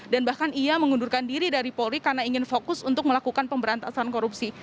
dan bahkan ia mengundurkan diri dari polri karena ingin fokus untuk melakukan pemberantasan korupsi